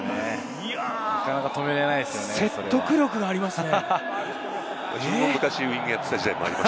説得力がありますね。